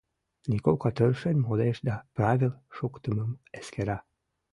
Николка тыршен модеш да правил шуктымым эскера.